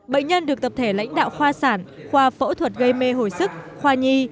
bệnh nhân được tập thể lãnh đạo khoa sản khoa phẫu thuật gây mê hồi sức khoa nhi